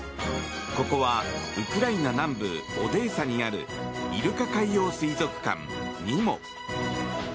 ここはウクライナ南部オデーサにあるイルカ海洋水族館、ニモ。